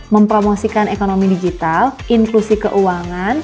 mempromosikan ekonomi digital inklusi keuangan